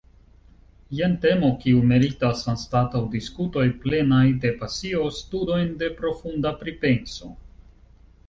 Jen temo kiu meritas, anstataŭ diskutoj plenaj de pasio, studojn de profunda pripenso.